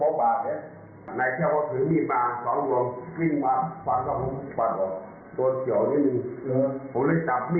แล้วเขาเลยขี่รถหนีเอาแย่งแย่งหนีไปเลยครับ